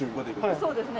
そうですね。